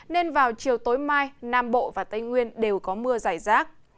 nên vào chiều tối mai nam bộ và tây nguyên đều có mưa